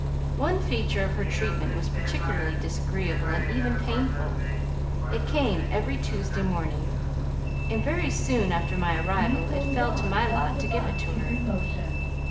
One feature of her treatment was particularly disagreeable and even painful. It came every Tuesday morning, and very soon after my arrival it fell to my lot to give it to her.